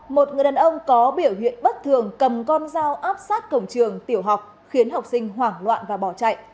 một người đàn ông có biểu hiện bất thường cầm con dao áp sát cổng trường tiểu học khiến học sinh hoảng loạn và bỏ chạy